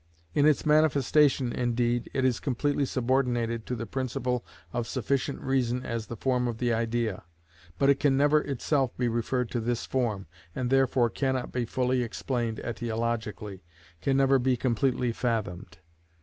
In its manifestation, indeed, it is completely subordinated to the principle of sufficient reason as the form of the idea, but it can never itself be referred to this form, and therefore cannot be fully explained etiologically, can never be completely fathomed.